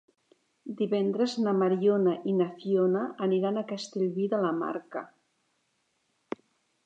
Divendres na Mariona i na Fiona aniran a Castellví de la Marca.